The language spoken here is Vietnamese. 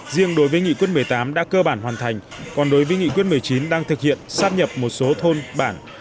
riêng đối với nghị quyết một mươi tám đã cơ bản hoàn thành còn đối với nghị quyết một mươi chín đang thực hiện sát nhập một số thôn bản